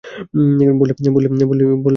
বললেই হত সঙ্গে যাবে?